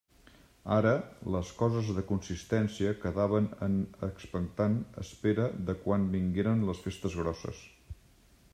Ara, les coses de consistència quedaven en expectant espera de quan vingueren les festes grosses.